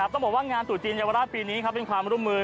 ต้องบอกว่างานตุจีนเยาวราชปีนี้เป็นความร่วมมือ